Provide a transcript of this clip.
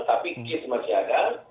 tapi kes masih ada